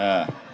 terima kasih pak